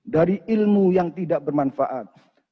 dari ilmu yang tidak bermanfaat